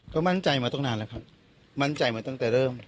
ก็มั่นใจมาตั้งนานแล้วครับมั่นใจมาตั้งแต่เริ่ม